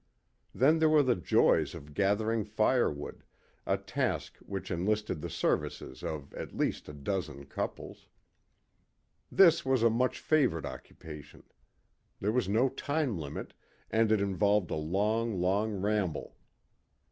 Then there were the joys of gathering fire wood, a task which enlisted the services of at least a dozen couples. This was a much favored occupation. There was no time limit, and it involved a long, long ramble.